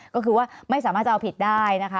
ก็คือว่าไม่สามารถจะเอาผิดได้นะคะ